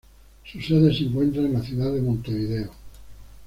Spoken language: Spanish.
Su sede se encuentra en la ciudad de Montevideo.